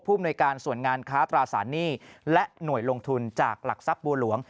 อำนวยการส่วนงานค้าตราสารหนี้และหน่วยลงทุนจากหลักทรัพย์บัวหลวง